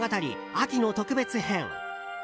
秋の特別編。